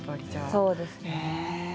そうですね。